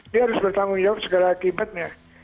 dia harus bertanggung jawab segala akibatnya